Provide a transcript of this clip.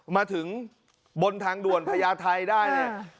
มาถึงบนทางด่วนพญาไทยได้เนี่ย